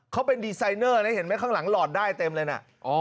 เขาเป็นดีไซเนอร์นะเห็นไหมข้างหลังหลอดได้เต็มเลยนะ